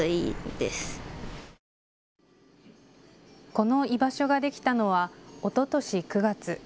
この居場所ができたのはおととし９月。